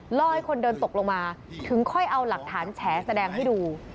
ล่อให้คนเดินตกลงมาถึงค่อยเอาหลักฐานแฉแสดงให้ดู